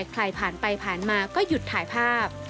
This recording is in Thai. ใครผ่านไปผ่านมาก็หยุดถ่ายภาพ